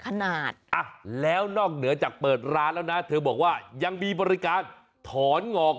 ขนาดอ่ะแล้วนอกเหนือจากเปิดร้านแล้วนะเธอบอกว่ายังมีบริการถอนงอก